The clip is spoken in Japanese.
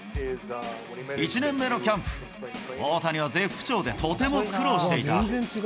１年目のキャンプ、大谷は絶不調でとても苦労していた。